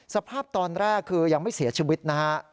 สภาพตอนแรกคือยังไม่เสียชีวิตนะฮะ